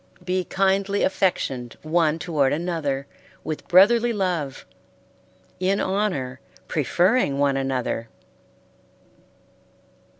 Be kindly affectioned one toward another with brotherly love, in honor preferring one another.